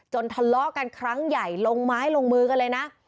ทะเลาะกันครั้งใหญ่ลงไม้ลงมือกันเลยนะ